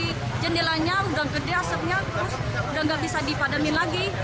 di jendelanya udah gede asapnya terus udah nggak bisa dipadamin lagi